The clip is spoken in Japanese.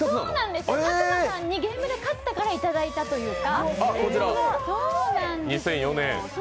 さくまさんにゲームで勝ったからいただいたというか。